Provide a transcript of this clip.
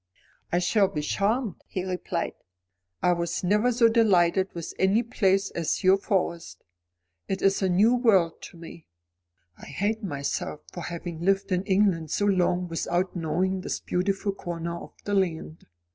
"I shall be charmed," he replied. "I never was so delighted with any place as your Forest. It is a new world to me. I hate myself for having lived in England so long without knowing this beautiful corner of the land.